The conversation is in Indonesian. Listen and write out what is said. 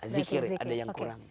zikir ada yang kurang